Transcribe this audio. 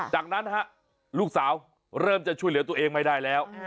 จากนั้นลูกสาวเริ่มจะช่วยเหลือตัวเองไม่ได้แล้ว